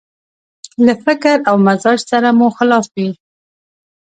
له فکر او مزاج سره مو مخالف وي.